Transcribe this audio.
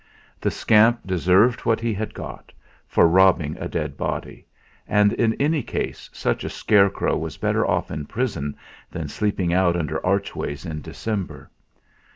The scamp deserved what he had got, for robbing a dead body; and in any case such a scarecrow was better off in prison than sleeping out under archways in December.